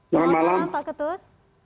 selamat malam pak ketut